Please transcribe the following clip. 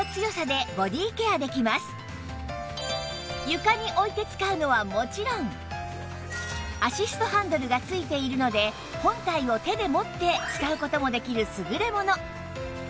床に置いて使うのはもちろんアシストハンドルが付いているので本体を手で持って使う事もできる優れもの